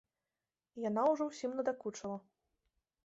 Яна ужо ўсім надакучыла.